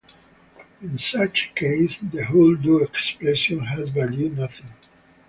In such case, the whole do expression has value Nothing.